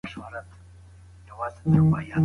ایا ماشوم کولای سي ازموینه ورکړي؟